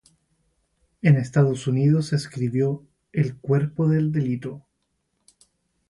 En Estados Unidos escribió "El cuerpo del delito.